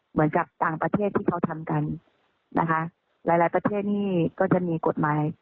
เหมือนกับต่างประเทศที่เขาทำกันนะคะหลายหลายประเทศนี่ก็จะมีกฎหมาย